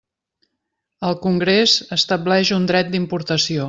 El Congrés estableix un dret d'importació.